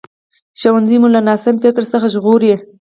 ښوونځی مو له ناسم فکر څخه ژغوري